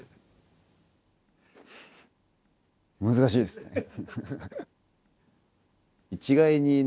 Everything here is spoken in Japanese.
難しいですね。